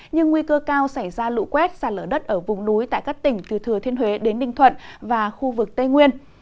nhưng nguy cơ cao xảy ra lũ quét xa lở đất ở vùng núi tại các tỉnh từ thừa thiên huế đến ninh thuận và khu vực tây nguyên